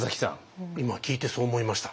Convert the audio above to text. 今聞いてそう思いました。